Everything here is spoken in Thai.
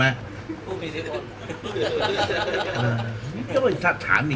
ถ้าไปถามอย่างนี้ถามทำไม